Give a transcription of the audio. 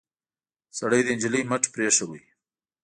سړي د نجلۍ مټ پرېښود.